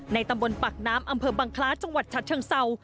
ในตำบนปักน้ำอำเผื่อบังคลาจังหวัดชัตร์เชิงเสา